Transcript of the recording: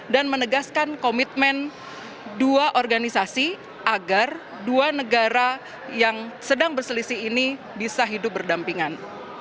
dan menegaskan komitmen dua organisasi agar dua negara yang sedang berselisih ini bisa hidup berdampingan